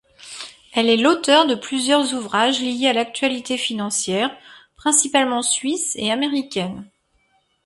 Elle est l'auteur de plusieurs ouvrages liés à l'actualité financière, principalement suisse et américaine.